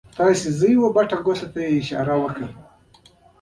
ته داسې ځې وه بټې ګوتې ته یې اشاره وکړه.